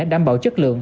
đảm bảo chất lượng